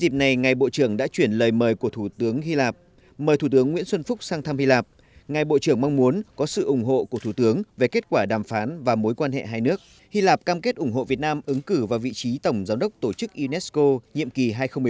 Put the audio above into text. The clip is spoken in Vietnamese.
mời thủ tướng nguyễn xuân phúc sang thăm hy lạp ngài bộ trưởng mong muốn có sự ủng hộ của thủ tướng về kết quả đàm phán và mối quan hệ hai nước hy lạp cam kết ủng hộ việt nam ứng cử vào vị trí tổng giám đốc tổ chức unesco nhiệm kỳ hai nghìn một mươi bảy hai nghìn hai mươi một